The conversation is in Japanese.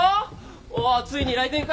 おおついに来店か。